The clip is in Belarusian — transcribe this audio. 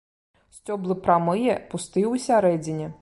Сцёблы прамыя, пустыя ў сярэдзіне.